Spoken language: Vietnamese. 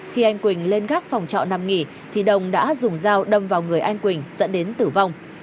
trong khi phòng trọ nằm nghỉ thì đồng đã dùng dao đâm vào người anh quỳnh dẫn đến tử vong